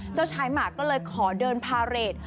เจ้าชายหมากก็เลยขอเดินพาเรท